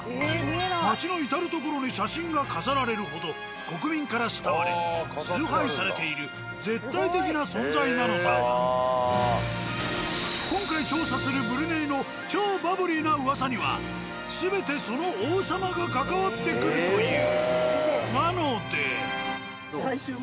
町の至る所に写真が飾られるほど国民から慕われ崇拝されている絶対的な存在なのだが今回調査するブルネイの超バブリーな噂には全てその王様が関わってくるという。